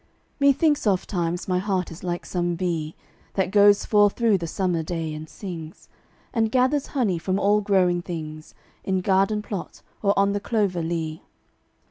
Methinks ofttimes my heart is like some bee That goes forth through the summer day and sings. And gathers honey from all growing things In garden plot or on the clover lea.